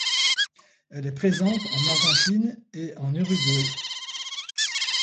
Elle est présente en Argentine et en Uruguay.